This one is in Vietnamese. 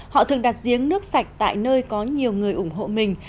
họ thường đặt giếng nước sạch tại nơi có nhiều người ủng hộ mình